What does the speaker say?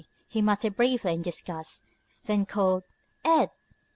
he muttered briefly in disgust, then called: "Ed!"